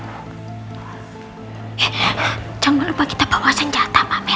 eh jangan lupa kita bawa senjata mama